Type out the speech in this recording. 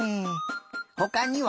ほかには？